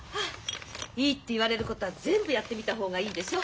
いいって言われることは全部やってみた方がいいでしょ？